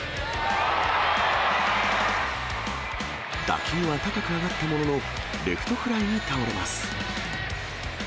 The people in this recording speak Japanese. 打球は高く上がったものの、レフトフライに倒れます。